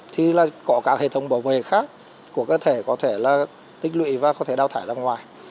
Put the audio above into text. thì là có các hệ thống bảo vệ khác của cơ thể có thể là tích lụy và có thể đào thải ra ngoài